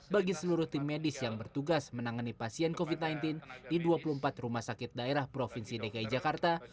bagi seluruh tim medis yang bertugas menangani pasien covid sembilan belas di dua puluh empat rumah sakit daerah provinsi dki jakarta